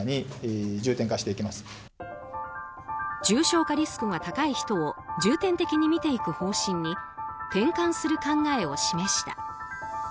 重症化リスクが高い人を重点的に見ていく方針に転換する考えを示した。